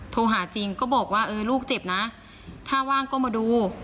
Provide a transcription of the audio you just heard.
โทรหาจริงก็บอกว่าเออลูกเจ็บนะถ้าว่างก็มาดู